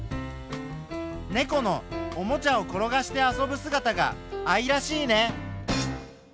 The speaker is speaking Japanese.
ネコのおもちゃを転がして遊ぶすがたが愛らしいね。